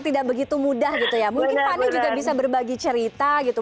tidak begitu mudah gitu ya mungkin fani juga bisa berbagi cerita gitu